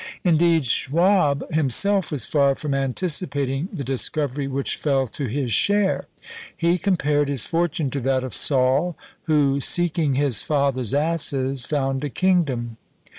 Indeed, Schwabe himself was far from anticipating the discovery which fell to his share. He compared his fortune to that of Saul, who, seeking his father's asses, found a kingdom.